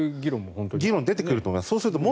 議論が出てくると思います。